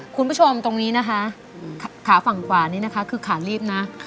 คุณผู้ชมตรงนี้นะคะขาฝั่งขวานี้นะคะคือขาลีบนะ